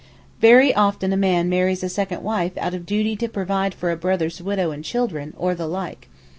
Very often a man marries a second wife out of duty to provide for a brother's widow and children, or the like.